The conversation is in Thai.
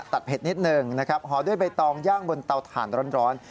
เผ็ดนิดหนึ่งนะครับห่อด้วยใบตองย่างบนเตาถ่านร้อน